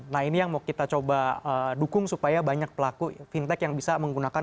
nah ini yang mau kita coba dukung supaya banyak pelaku fintech yang bisa menggunakan